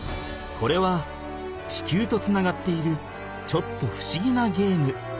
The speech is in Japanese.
これは地球とつながっているちょっとふしぎなゲーム。